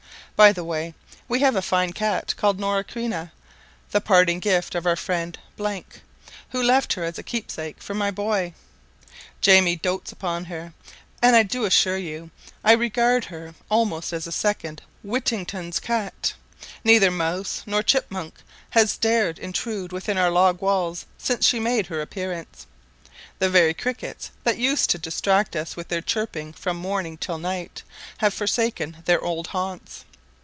By the way, we have a fine cat called Nora Crena, the parting gift of our friend , who left her as a keepsake for my boy. Jamie dotes upon her; and I do assure you I regard her almost as a second Whittington's cat: neither mouse nor chitmunk has dared intrude within our log walls since she made her appearance; the very crickets, that used to distract us with their chirping from morning till night, have forsaken their old haunts.